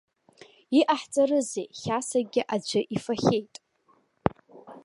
Иҟаҳҵарызеи, хьасакгьы аӡәы ифахьеит!